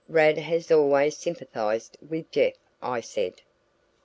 "Rad has always sympathized with Jeff," I said.